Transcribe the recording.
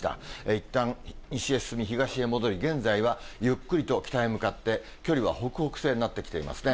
いったん西へ進み、東へ戻り、現在はゆっくりと北へ向かって、距離は北北西になってきていますね。